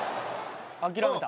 「諦めた。